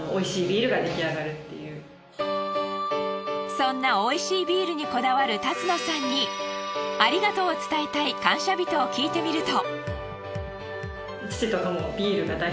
そんな美味しいビールにこだわる立野さんにありがとうを伝えたい感謝人を聞いてみると。